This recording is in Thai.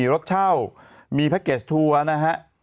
รถเช่ามีแพ็คเกจทัวร์นะฮะ